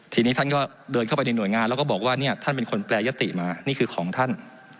ทีนี้ท่านก็เดินเข้าไปในหน่วยงานแล้วก็บอกว่าเนี่ยท่านเป็นคนแปรยติมานี่คือของท่าน